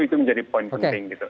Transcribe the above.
itu menjadi poin penting gitu